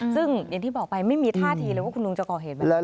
ซึ่งอย่างที่บอกไปไม่มีท่าทีเลยว่าคุณลุงจะก่อเหตุแบบนี้